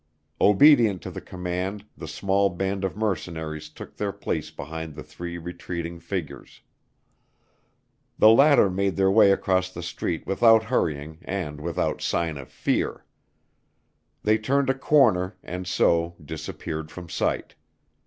Obedient to the command, the small band of mercenaries took their place behind the three retreating figures. The latter made their way across the street without hurrying and without sign of fear. They turned a corner and so disappeared from sight.